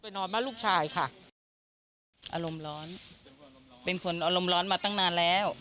นอนบ้านลูกชายค่ะอารมณ์ร้อนเป็นคนอารมณ์ร้อนมาตั้งนานแล้ว